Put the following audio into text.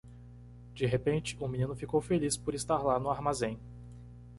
De repente, o menino ficou feliz por estar lá no armazém.